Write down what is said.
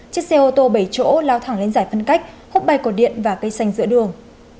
chiếc xe ô tô bảy chỗ lao thẳng lên giải phân cách khúc bay cột điện và cây xanh giữa đường